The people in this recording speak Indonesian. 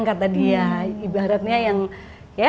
kata dia ibaratnya